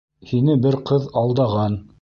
Һине бер ҡыҙ алдаған.